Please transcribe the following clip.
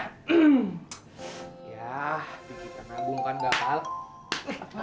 dikita agung kan gak pala ya